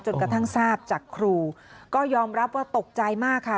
กระทั่งทราบจากครูก็ยอมรับว่าตกใจมากค่ะ